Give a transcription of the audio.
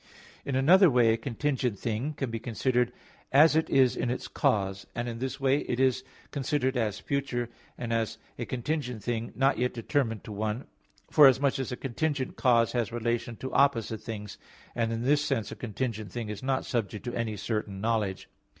In another way a contingent thing can be considered as it is in its cause; and in this way it is considered as future, and as a contingent thing not yet determined to one; forasmuch as a contingent cause has relation to opposite things: and in this sense a contingent thing is not subject to any certain knowledge.